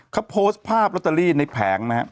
เขาโพสต์ภาพลอตเตอรี่ในแผงนะครับ